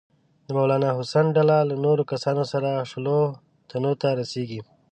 د مولنا حسن ډله له نورو کسانو سره شلو تنو ته رسیږي.